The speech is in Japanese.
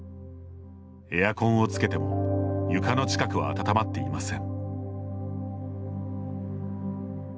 エアコンをつけても床の近くは暖まっていません。